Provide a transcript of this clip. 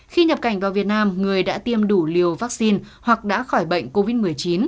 khi nhập cảnh vào việt nam người đã tiêm đủ liều vaccine hoặc đã khỏi bệnh covid một mươi chín